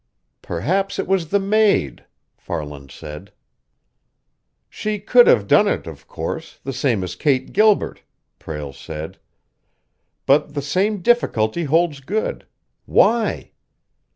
"Perhaps it was the maid," Farland said. "She could have done it, of course, the same as Kate Gilbert," Prale said. "But the same difficulty holds good why?